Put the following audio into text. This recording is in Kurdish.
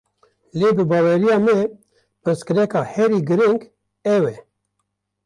Lê bi baweriya me, pirsgirêka herî girîng ew e